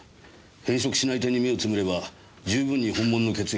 変色しない点に目をつぶれば十分に本物の血液で通用します。